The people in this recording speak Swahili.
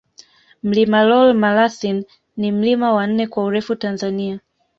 Mlima Lool Malasin ni mlima wa nne kwa urefu Tanzania